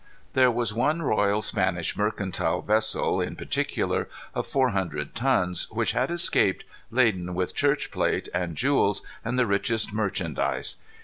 There was one royal Spanish mercantile vessel, in particular, of four hundred tons, which had escaped, laden with church plate and jewels, and the richest merchandise.